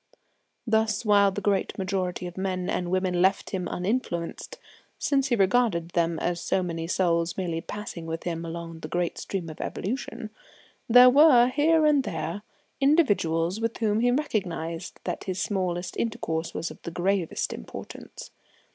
Thus, while the great majority of men and women left him uninfluenced since he regarded them as so many souls merely passing with him along the great stream of evolution there were, here and there, individuals with whom he recognised that his smallest intercourse was of the gravest importance.